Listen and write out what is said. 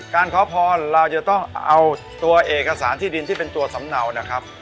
ขอพรเราจะต้องเอาตัวเอกสารที่ดินที่เป็นตัวสำเนานะครับ